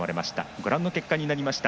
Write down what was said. ご覧の結果になりました。